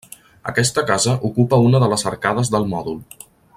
Aquesta casa ocupa una de les arcades del mòdul.